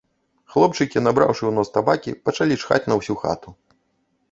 Хлопчыкі набраўшы ў нос табакі, пачалі чхаць на ўсю хату.